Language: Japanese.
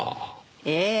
ええ。